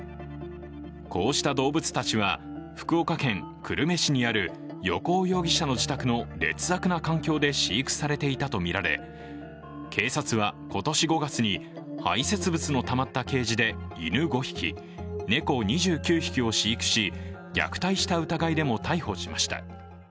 こうした動物たちは福岡県久留米市にある、横尾容疑者の自宅の劣悪な環境で飼育されていたとみられ警察は今年５月に排せつ物のたまったケージで犬５匹、猫２９匹を飼育し虐待した疑いでも逮捕しました。